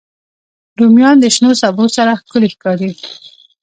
رومیان د شنو سبو سره ښکلي ښکاري